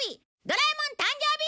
『ドラえもん』誕生日